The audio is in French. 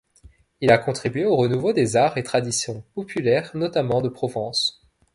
Il a contribué au renouveau des arts et traditions populaires, notamment de Provence.